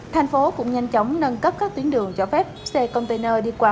thành phố cũng nhanh chóng nâng cấp các tuyến đường cho phép xe container đi qua